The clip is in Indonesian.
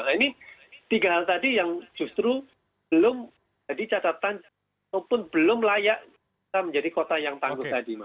nah ini tiga hal tadi yang justru belum jadi catatan ataupun belum layak kita menjadi kota yang tangguh tadi mas